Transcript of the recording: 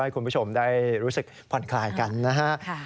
คุณผู้ชมได้รู้สึกผ่อนคลายกันนะฮะ